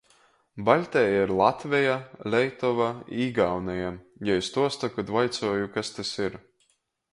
"Baļteja ir Latveja, Leitova i Igauneja," jei stuosta, kod vaicoju, kas tys ir.